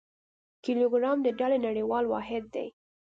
کیلوګرام د ډلي نړیوال واحد دی.